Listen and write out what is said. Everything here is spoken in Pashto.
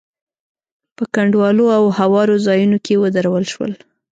په کنډوالو او هوارو ځايونو کې ودرول شول.